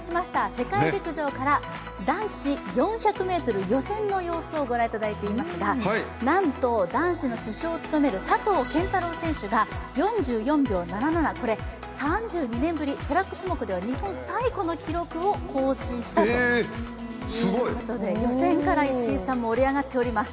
世界陸上から男子４００ｍ予選の様子を見ていただいていますがなんと、男子の主将を務める佐藤拳太郎選手選手が４４秒７７、これ３２年ぶりトラック種目では日本最古の記録を更新したということで、予選から盛り上がっております。